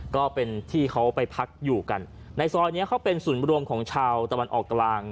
ก็เป็นที่เขาไปพักอยู่กันในซอยนี้เขาเป็นศูนย์รวมของชาวตะวันออกกลาง